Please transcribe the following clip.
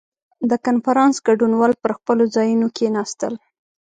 • د کنفرانس ګډونوال پر خپلو ځایونو کښېناستل.